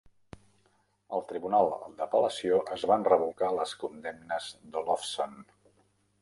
Al tribunal d'apel·lació, es van revocar les condemnes d'Olofsson.